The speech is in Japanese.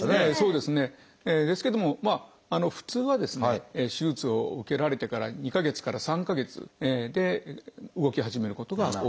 ですけども普通はですね手術を受けられてから２か月から３か月で動き始めることが多いです。